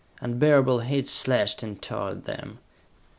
Unbearable heat slashed and tore at them.